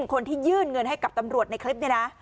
คนที่ยื่นเงินให้กับตำรวจในคลิปนี้นะ